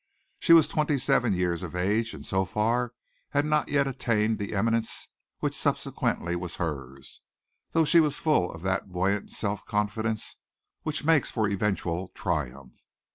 She was twenty seven years of age and so far, had not yet attained the eminence which subsequently was hers, though she was full of that buoyant self confidence which makes for eventual triumph.